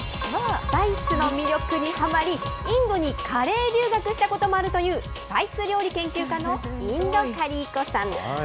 スパイスの魅力にはまり、インドにカレー留学したこともあるという、スパイス料理研究家の印度カリー子さん。